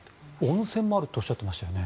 温泉もあるとおっしゃってましたよね。